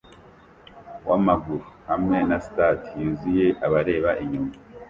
wamaguru hamwe na stade yuzuye abareba inyuma